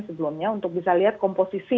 sebelumnya untuk bisa lihat komposisi